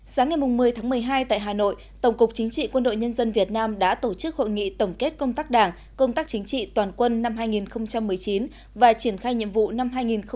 sáng ngày một mươi tháng một mươi hai tại hà nội tổng cục chính trị quân đội nhân dân việt nam đã tổ chức hội nghị tổng kết công tác đảng công tác chính trị toàn quân năm hai nghìn một mươi chín và triển khai nhiệm vụ năm hai nghìn hai mươi